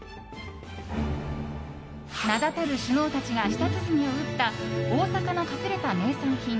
名だたる首脳たちが舌鼓を打った大阪の隠れた名産品